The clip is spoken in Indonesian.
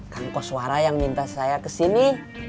kang koswara yang minta saya kesini